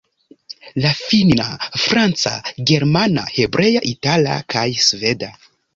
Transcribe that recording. la finna, franca, germana, hebrea, itala kaj sveda.